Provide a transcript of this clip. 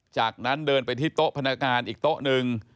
จากนั้นเดินไปที่โต๊ะพนักงานอีกโต๊ะหนึ่ง